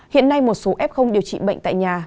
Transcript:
hiện nay một số f điều trị bệnh tại nhà